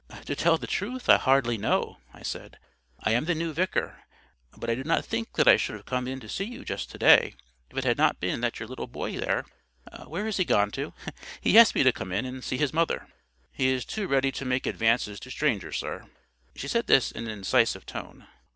"To tell the truth, I hardly know," I said. "I am the new vicar; but I do not think that I should have come in to see you just to day, if it had not been that your little boy there—where is he gone to? He asked me to come in and see his mother." "He is too ready to make advances to strangers, sir." She said this in an incisive tone.